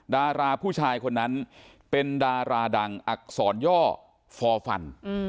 ดาราผู้ชายคนนั้นเป็นดาราดังอักษรย่อฟอร์ฟัน